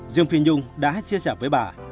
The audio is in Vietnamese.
dương phi nhung đã chia sẻ với bà